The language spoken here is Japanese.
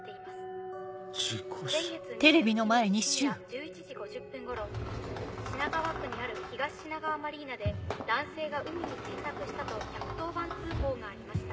先月２７日深夜１１時５０分頃品川区にある東品川マリーナで男性が海に転落したと１１０番通報がありました。